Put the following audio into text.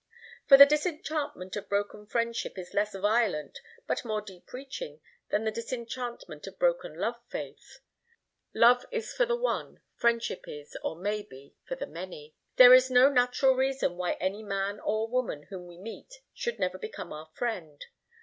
For the disenchantment of broken friendship is less violent but more deep reaching than the disenchantment of broken love faith. Love is for the one, friendship is, or may be, for the many. There is no natural reason why any man or woman whom we meet, should never become our friend.